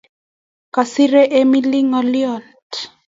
Kisiir Emily ngolyot